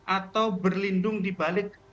atau berlindung dibalik